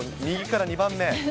右から２番目。